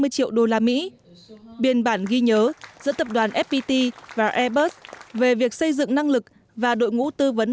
năm mươi triệu đô la mỹ biên bản ghi nhớ giữa tập đoàn fpt và airbus về việc xây dựng năng lực và đội ngũ tư vấn